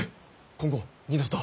今後二度と。